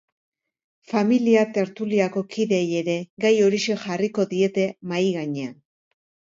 Familia tertuliako kideei ere gai horixe jarriko diete mahai gainean.